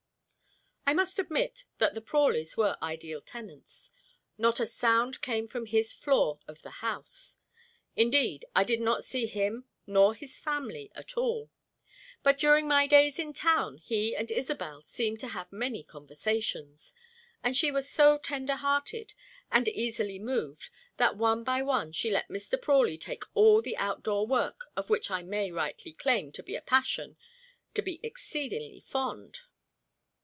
I must admit that the Prawleys were ideal tenants. Not a sound came from his floor of the house. Indeed, I did not see him nor his family at all. But during my days in town he and Isobel seemed to have many conversations, and she was so tender hearted and easily moved that one by one she let Mr. Prawley take all the outdoor work of which I may rightly claim to be passion to be exceedingly fond.